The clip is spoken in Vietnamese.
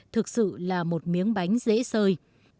thực sự là một miếng bánh dễ sơi